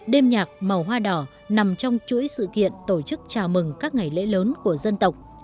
đêm nhạc màu hoa đỏ nằm trong chuỗi sự kiện tổ chức chào mừng các ngày lễ lớn của dân tộc